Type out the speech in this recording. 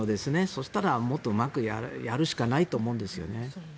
そしたらもっとうまくやるしかないと思うんですよね。